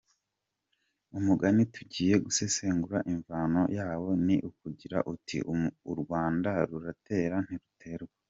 Umugani tugiye gusesengura imvano yawo ni ugira uti : “U Rwanda ruratera ntiruterwa.